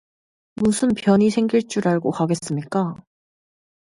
무슨 변이 생길 줄 알고 가겠습니까?